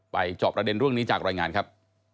จอบประเด็นเรื่องนี้จากรายงานครับ